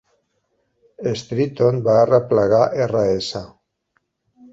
Streeton va arreplegar Rs.